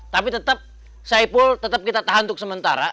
tapi tetap saipul tetap kita tahan untuk sementara